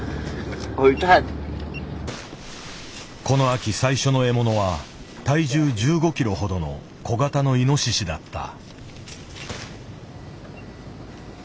この秋最初の獲物は体重１５キロほどの小型のイノシシだった。